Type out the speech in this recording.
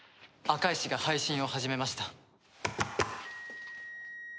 赤石が配信を始めました。